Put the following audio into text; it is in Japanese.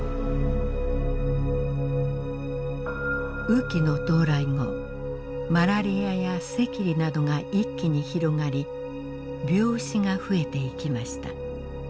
雨期の到来後マラリアや赤痢などが一気に広がり病死が増えていきました。